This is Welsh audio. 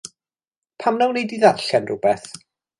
Pam na wnei di ddarllen rhywbeth?